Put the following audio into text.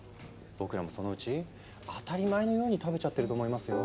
僕らもそのうち当たり前のように食べちゃってると思いますよ。